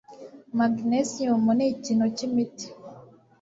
Magnesium ni ikintu cyimiti.